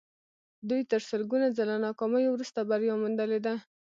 دوی تر سلګونه ځله ناکامیو وروسته بریا موندلې ده